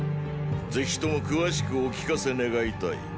ぜひとも詳しくお聞かせ願いたい。